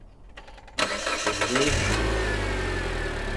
Tebḍa-yak-tent-id.